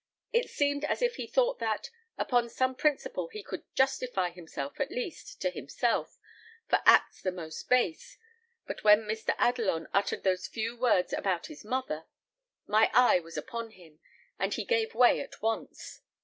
It seemed as if he thought that, upon some principle he could justify himself, at least, to himself, for acts the most base; but when Mr. Adelon uttered those few words about his mother, my eye was upon him, and he gave way at once.